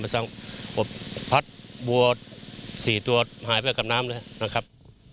อบพัดบัว๔ตัวหายไปกับน้ำเลยนะครับ